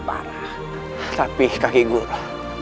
parah tapi kaki guru